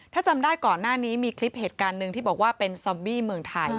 ถ้าจำได้ก่อนหน้านี้มีคลิปเหตุการณ์หนึ่งที่บอกว่าเป็นซอบบี้เมืองไทย